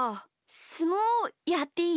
すもうやっていい？